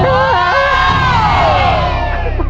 พ่อชัยครับเชิญครับ